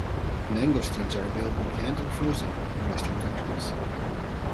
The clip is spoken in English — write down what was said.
Mangosteens are available canned and frozen in Western countries.